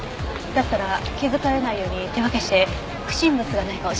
だったら気づかれないように手分けして不審物がないかを調べましょう。